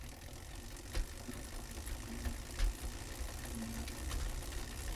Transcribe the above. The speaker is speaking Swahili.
Yeye alishinda tuzo ya Grammy kwa wimbo huu mwaka uliofuata.